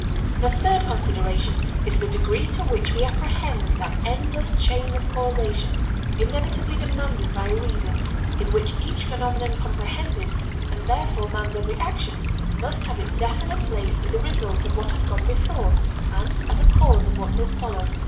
The third consideration is the degree to which we apprehend that endless chain of causation inevitably demanded by reason, in which each phenomenon comprehended, and therefore man's every action, must have its definite place as a result of what has gone before and as a cause of what will follow.